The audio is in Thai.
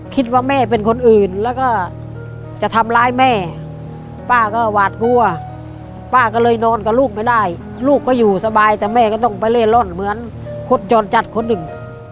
คิดว่าแม่เป็นคนอื่นแล้วก็จะทำร้ายแม่ป้าก็หวาดกลัวป้าก็เลยนอนกับลูกไม่ได้ลูกก็อยู่สบายแต่แม่ก็ต้องไปเล่ร่อนเหมือนคนจรจัดคนหนึ่ง